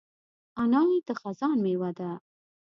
انار د خزان مېوه ده.